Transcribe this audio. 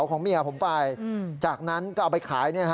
โคมเดียวมันน่าจงนานตรงโต๊ะที่มีผมไว้กระป๋องนะ